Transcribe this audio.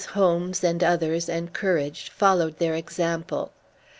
Holmes and others, encouraged, followed their example.